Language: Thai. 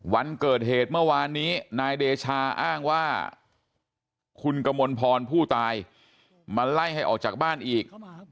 วันเกิดเหตุเมื่อวานนี้นายเดชาอ้างว่าคุณกมลพรผู้ตายมาไล่ให้ออกจากบ้านอีก